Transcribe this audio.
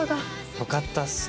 よかったっすね